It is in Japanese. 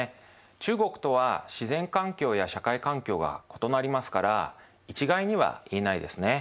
中国とは自然環境や社会環境が異なりますから一概には言えないですね。